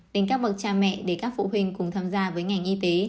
đến các bậc cha mẹ để các phụ huynh cùng tham gia với ngành y tế